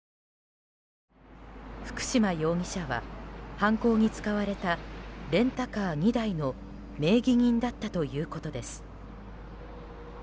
福島容疑者は犯行に使われたレンタカー２台の名義人だったということです。